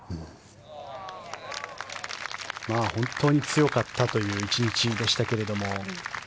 本当に強かったという１日でしたけれども。